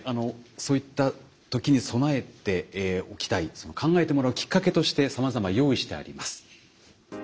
そういった時に備えておきたいその考えてもらうきっかけとしてさまざま用意してあります。